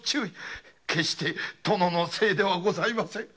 決して殿のせいではございませぬ。